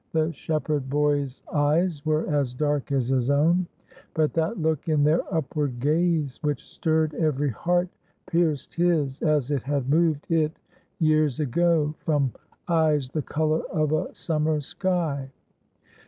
The shepherd boy's eyes were as dark as his own; but that look in their upward gaze, which stirred every heart, pierced his as it had moved it years ago from eyes the color of a summer sky.